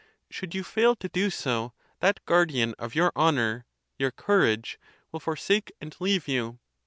Should you fail to do so, that guardian of your honor, your courage, will forsake and leave you.